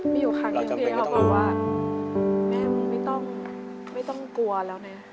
เย็นกลับมาร้องให้ทุกวัน